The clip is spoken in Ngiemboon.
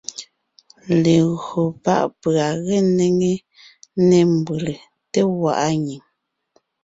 Legÿo pá’ pʉ̀a ge néŋe nê mbʉ́lè, té gwaʼa nyìŋ,